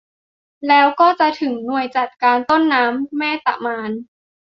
แล้วก็จะถึงหน่วยจัดการต้นน้ำแม่ตะมาน